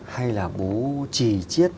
hay là bố chỉ triết